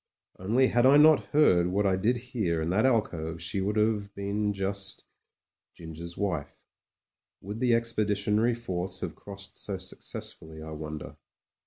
Only had I not heard what I did hear in that alcove she would have been just — Ginger's wife. Would the Expeditionary Force have crossed so successfully, I wonder